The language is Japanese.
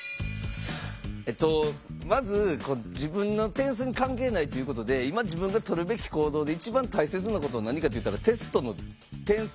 えっとまず自分の点数に関係ないっていうことで今自分がとるべき行動で一番大切なことは何かといったらテストの点数